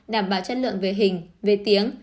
đảm bảo chất lượng về hình về tiếng